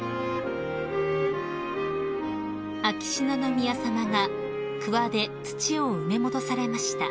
［秋篠宮さまがくわで土を埋め戻されました］